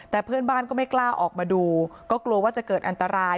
แต่เพื่อนบ้านก็ไม่กล้าออกมาดูก็กลัวว่าจะเกิดอันตราย